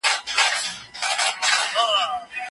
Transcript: ادیبان به نوي تخلیقي آثار رامنځته کړي.